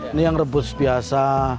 ini yang rebus biasa